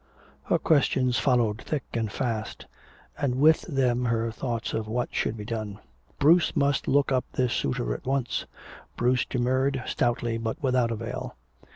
Her questions followed thick and fast, and with them her thoughts of what should be done. Bruce must look up this suitor at once. Bruce demurred stoutly but without avail.